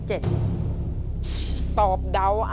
ตัวเลือกที่๔ขึ้น๘ค่ำเดือน๗